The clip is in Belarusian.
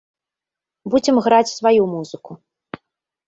Будзем граць сваю музыку.